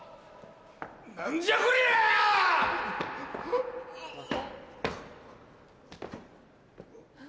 何じゃこりゃ⁉おっ。